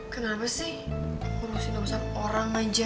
kenapa sih urusin orang aja